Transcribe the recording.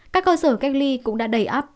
các cơ sở cách ly cũng đã đầy ấp